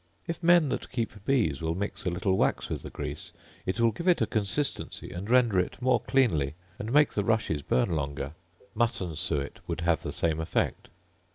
If men that keep bees will mix a little wax with the grease, it will give it a consistency, and render it more cleanly, and make the rushes burn longer: mutton suet would have the same effect.